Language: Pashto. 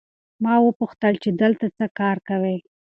ما وپوښتل چې دلته څه کار کوې؟